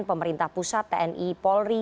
pemerintah pusat tni polri